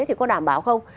thì có đảm bảo không